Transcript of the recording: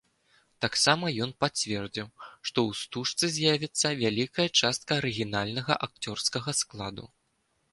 Таксама ён пацвердзіў, што ў стужцы з'явіцца вялікая частка арыгінальнага акцёрскага складу.